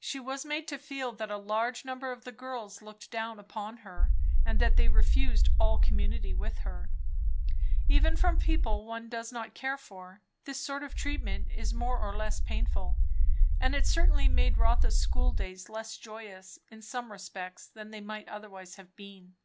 She was made to feel that a large number of the girls looked down upon her and that they refused all community with her. Even from people one does not care for, this sort of treatment is more or less painful; and it certainly made Rotha's school days less joyous in some respects than they might otherwise have been.